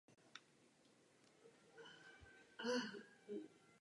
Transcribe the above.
Je Komise připravena navrhnout podobná opatření i v dalších regionech?